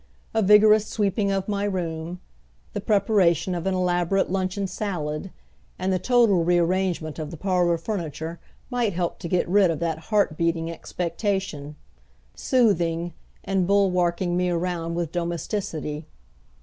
A vigorous sweeping of my room, the preparation of an elaborate luncheon salad, and the total rearrangement of the parlor furniture might help to get rid of that heart beating expectation soothing, and bulwarking me around with domesticity.